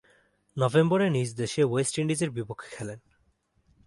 নভেম্বরে নিজ দেশে ওয়েস্ট ইন্ডিজের বিপক্ষে খেলেন।